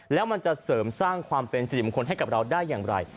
แล้วมันจะเสริมสร้างความเป็นสิริมงคลให้กับเราได้อย่างไร